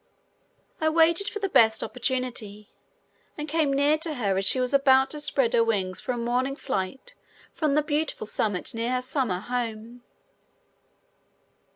I waited for the best opportunity and came near to her as she was about to spread her wings for a morning flight from the beautiful summit near her summer home.